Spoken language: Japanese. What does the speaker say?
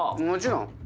⁉もちろん！